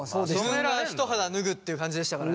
自分が一肌脱ぐって感じでしたからね